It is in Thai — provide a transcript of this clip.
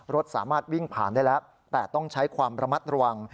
รถสามารถวิ่งผ่านได้แล้วแต่ต้องใช้ความระมัดระวัง